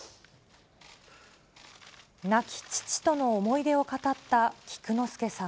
亡き父との思い出を語った菊之助さん。